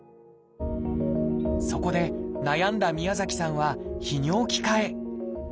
そこで悩んだ宮崎さんは泌尿器科へ。